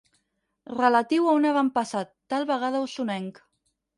Relatiu a un avantpassat, tal vegada osonenc.